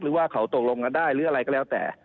ว่าเขาตกลงกันได้หรืออะไรก็แล้วแต่